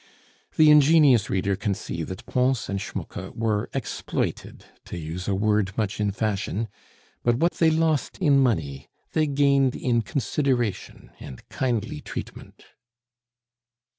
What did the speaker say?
The ingenious reader can see that Pons and Schmucke were exploited, to use a word much in fashion; but what they lost in money they gained in consideration and kindly treatment.